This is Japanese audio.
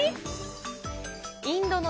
インドの。